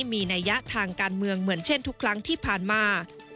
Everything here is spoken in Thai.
มีนัยยะทางการเมืองเหมือนเช่นทุกครั้งที่ผ่านมา